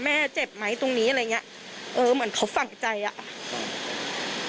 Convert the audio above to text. แม่เจ็บไหมตรงนี้อะไรอย่างเงี้ยเออเหมือนเขาฝั่งใจอ่ะ